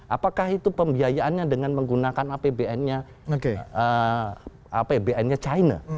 apakah itu pembiayaannya dengan menggunakan apbn nya china